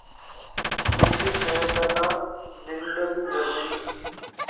سٺي صحت لا ننڊ بي ضروري ا